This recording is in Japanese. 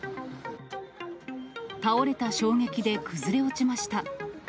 倒れた衝撃で崩れ落ちました。